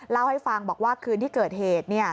เล่าให้ฟังบอกว่าคืนที่เกิดเหตุ